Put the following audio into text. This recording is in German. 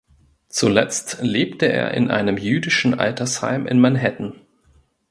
Zuletzt lebte er in einem jüdischen Altersheim in Manhattan.